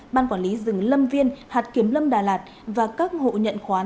ban quản lý rừng lâm viên hạt kiểm lâm đà lạt và các hộ nhận khoán